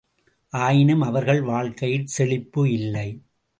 ஆயினும் அவர்கள் வாழ்க்கையில் செழிப்பு இல்லை!